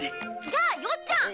じゃあよっちゃん！